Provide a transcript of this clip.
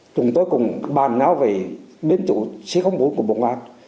chúng tôi cùng bàn náo về đến chỗ c bốn của bộ ngoan